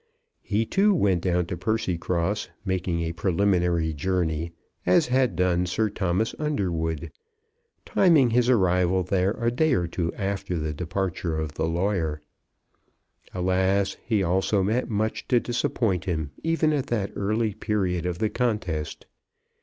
He, too, went down to Percycross, making a preliminary journey, as had done Sir Thomas Underwood, timing his arrival there a day or two after the departure of the lawyer. Alas, he, also, met much to disappoint him even at that early period of the contest.